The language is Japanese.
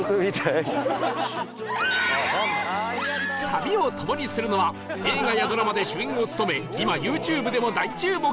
旅を共にするのは映画やドラマで主演を務め今 ＹｏｕＴｕｂｅ でも大注目 Ｈｅｙ！